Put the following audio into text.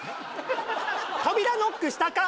扉ノックしたか？